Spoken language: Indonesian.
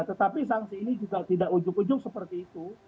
tetapi sanksi ini juga tidak ujung ujung seperti itu